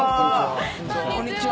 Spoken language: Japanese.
こんにちは。